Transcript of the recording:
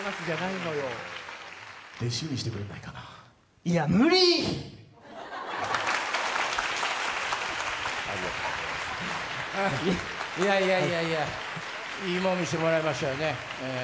いやいやいやいやいいもん見してもらいましたよね